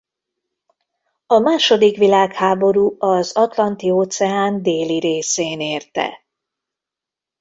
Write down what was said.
A második világháború az Atlanti óceán déli részén érte.